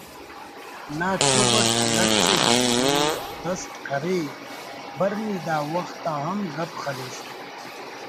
نا چغ اٹ لٹ ءِ دودست کرے…… بر نی دا وخت آ ہم گپ خلیسہ